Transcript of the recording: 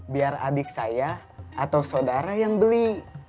biar adik saya atau saudara yang beli